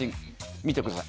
見てください。